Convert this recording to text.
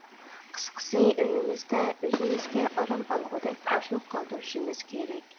قىسقىسى ئۆيىمىزدە ئۆزىمىزگە ئارام ئالغۇدەك بوشلۇق قالدۇرۇشىمىز كېرەك.